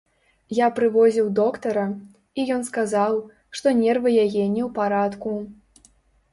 Я прывозіў доктара, і ён сказаў, што нервы яе не ў парадку.